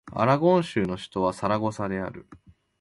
アラゴン州の州都はサラゴサである